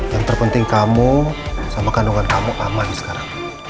yang terpenting kamu sama kandungan kamu aman sekarang